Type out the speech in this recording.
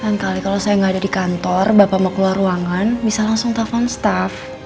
delapan kali kalau saya nggak ada di kantor bapak mau keluar ruangan bisa langsung telepon staff